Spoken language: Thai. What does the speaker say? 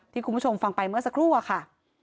คุณผู้ชมฟังไปเมื่อสักครู่อะค่ะ